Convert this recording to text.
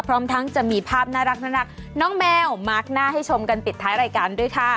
พร้อมทั้งจะมีภาพน่ารักน้องแมวมาร์คหน้าให้ชมกันปิดท้ายรายการด้วยค่ะ